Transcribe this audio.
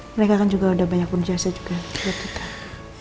mereka kan juga udah banyak pun jasa juga buat kita